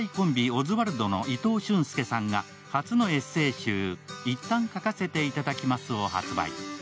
オズワルドの伊藤俊介さんが初のエッセー集、「一旦書かせて頂きます」を発売。